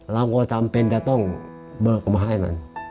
เราก็จำเป็นจะต้องเบอร์ผมมาให้มัน